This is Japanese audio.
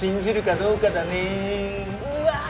うわ！